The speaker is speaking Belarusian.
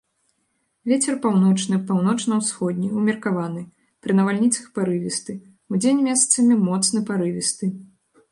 Вецер паўночны, паўночна-ўсходні, умеркаваны, пры навальніцах парывісты, удзень месцамі моцны парывісты.